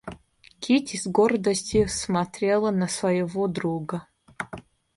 Кити с гордостью смотрела на своего друга.